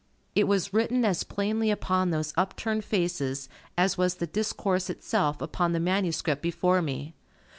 It was written as plainly upon those upturned faces, as was the discourse itself upon the manuscript before me.